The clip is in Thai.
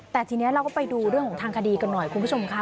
แต่ทีนี้เราก็ไปดูเรื่องของทางคดีกันหน่อยคุณผู้ชมค่ะ